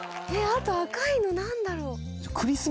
あと赤いの何だろう？